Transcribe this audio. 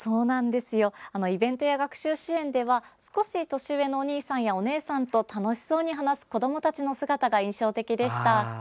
イベントや学習支援では少し年上のお兄さんやお姉さんと楽しそうに話す子どもたちの姿が印象的でした。